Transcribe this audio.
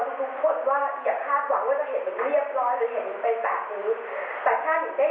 นี้จะระวังคำพูดทั้งย่อแม่และและย่ออุปถาปดิน